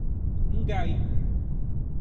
Ingaí